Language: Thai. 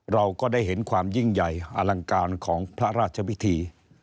เราก็ได้เห็นความยิ่งใหญ่อลังการของพระราชพิธี